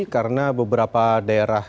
karena beberapa daerah